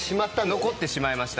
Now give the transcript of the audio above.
残ってしまいました。